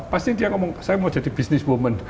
pasti dia ngomong saya mau jadi business woman